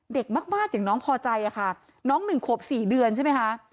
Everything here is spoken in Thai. เด็กมากอย่างน้องพอใจค่ะน้อง๑ขวบ๔เดือนใช่ไหมคะ